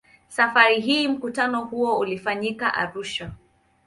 Safari hii mkutano huo ulifanyika Arusha.